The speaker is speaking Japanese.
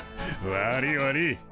悪い悪い。